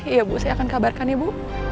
iya bu saya akan kabarkan ya bu